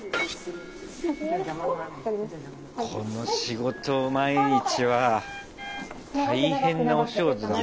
この仕事を毎日は大変なお仕事だね。